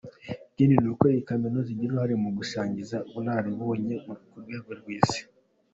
Ikindi ni uko iyi kaminuza igira uruhare mu gusanziza ubunararibonye ku rwego rw’Isi.